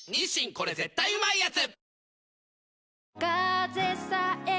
これ絶対うまいやつ」